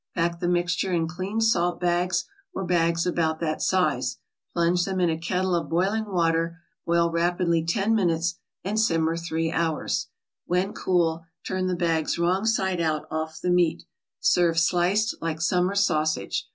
Pack the mixture in clean salt bags or bags about that size, plunge them in a kettle of boiling water, boil rapidly ten minutes, and simmer three hours. When cool, turn the bags wrong side out off the meat. Serve sliced like summer sausage.